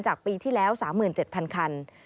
ปีที่แล้ว๓๗๐๐คัน